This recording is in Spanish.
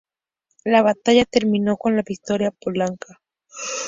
La batalla terminó con la victoria polaca.